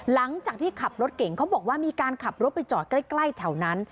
หลังจากที่ขับรถเก่งเขาบอกว่ามีการขับรถไปจอดใกล้แถวนั้น